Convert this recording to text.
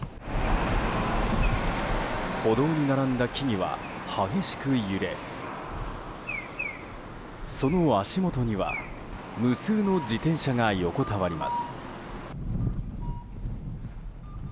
歩道に並んだ木々は激しく揺れその足元には無数の自転車が横たわります。